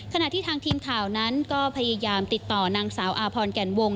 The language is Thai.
ขณะที่ทางทีมข่าวนั้นก็พยายามติดต่อนางสาวอาพรแก่นวง